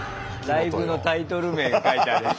ライブのタイトル名が書いてあるやつ。